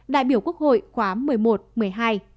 đại biểu quốc hội khóa một mươi một một mươi hai